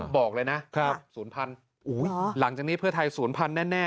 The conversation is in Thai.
บอกเลยนะศูนย์พันธุ์หลังจากนี้เพื่อไทยศูนย์พันธุ์แน่